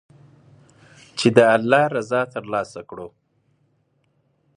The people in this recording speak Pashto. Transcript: چې د الله رضا تر لاسه کړو.